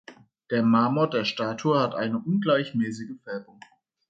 Der Marmor der Statue hat eine ungleichmäßige Färbung.